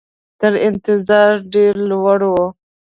تر انتظار ډېر لوړ وو.